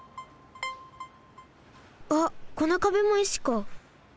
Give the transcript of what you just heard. あっこのかべも石か。